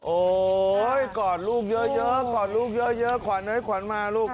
โอ๊ยกอดลูกเยอะกอดลูกเยอะขวัญเอ้ยขวัญมาลูก